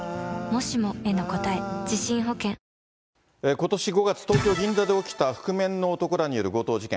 ことし５月、東京・銀座で起きた覆面の男らによる強盗事件。